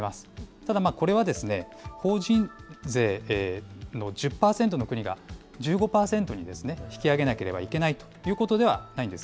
ただこれは、法人税の１０％の国が１５％に引き上げなければいけないということではないんです。